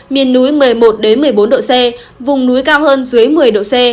miền núi một mươi một một mươi bốn độ c vùng núi cao hơn dưới một mươi độ c